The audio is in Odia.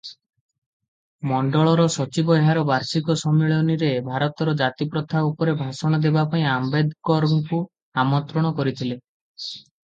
ମଣ୍ଡଳର ସଚିବ ଏହାର ବାର୍ଷିକ ସମ୍ମିଳନୀରେ ଭାରତର ଜାତିପ୍ରଥା ଉପରେ ଭାଷଣ ଦେବା ପାଇଁ ଆମ୍ବେଦକରଙ୍କୁ ଆମନ୍ତ୍ରଣ କରିଥିଲେ ।